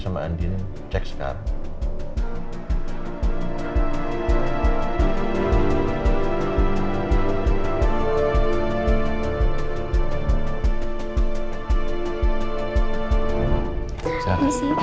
sama andi cek sekarang